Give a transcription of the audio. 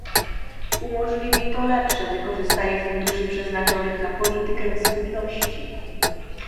Umożliwi to lepsze wykorzystanie funduszy przeznaczonych na politykę spójności